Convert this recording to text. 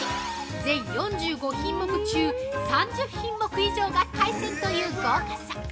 全４５品目中３０品目以上が海鮮という豪華さ。